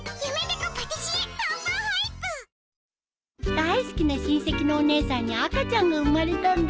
大好きな親戚のお姉さんに赤ちゃんが生まれたんだ。